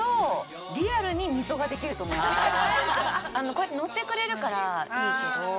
こうやって乗ってくれるからいいけど。